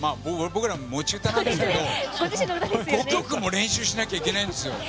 僕らも持ち歌なんですけど５曲も練習しなきゃいけないんですよ。